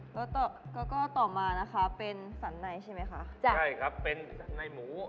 แล้วก็ต่อมานะคะเป็นสันในใช่ไหมคะจ้ะใช่ครับเป็นในหมู